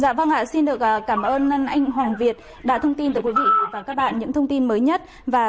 dạ vâng ạ xin được cảm ơn anh hoàng việt đã thông tin tới quý vị và các bạn những thông tin mới nhất và